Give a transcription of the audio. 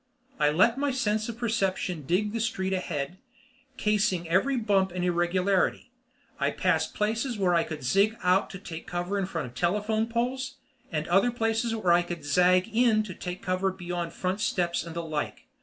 I let my sense of perception dig the street ahead, casing every bump and irregularity. I passed places where I could zig out to take cover in front of telephone poles, and other places where I could zag in to take cover beyond front steps and the like.